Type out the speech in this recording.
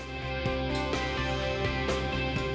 masukkan ubi ungu ke dalam kuali